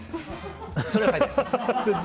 それは書いてないです。